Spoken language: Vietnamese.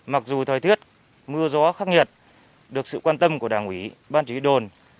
mặc dù thời tiết mưa gió khắc nghiệt được sự quan tâm của đảng quý ban chỉ đồn